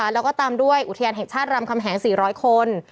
แล้วก็ตามด้วยอุทยานแห่งชาติรำคำแหง๔๐๐คน